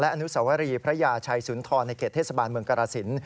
อนุสวรีพระยาชัยสุนทรในเขตเทศบาลเมืองกรสิน